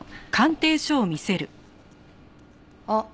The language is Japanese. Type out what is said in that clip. あっ！